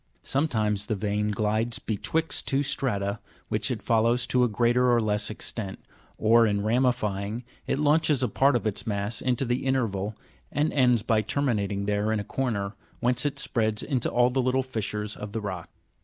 Sometimes the vein glides betwixt two strata, which it follows to a greater or less extent ; or, in ramifying, it launches a part of its mass into the interval, and ends by terminating there in a corner, whence it spreads into all the little fissures of the rock.